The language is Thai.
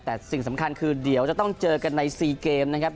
แต่สิ่งสำคัญคือเดี๋ยวจะต้องเจอกันใน๔เกมนะครับ